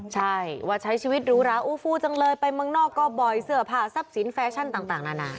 ใช่ว่าใช้ชีวิตหรูหราอูฟูจังเลยไปเมืองนอกก็บ่อยเสื้อผ้าทรัพย์สินแฟชั่นต่างนานา